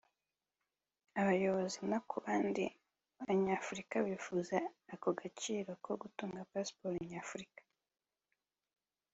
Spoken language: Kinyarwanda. abayobozi no ku bandi banyafurika bifuza ako gaciro ko gutunga pasiporo Nyafurika